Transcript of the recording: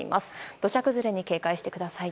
土砂崩れに警戒してください。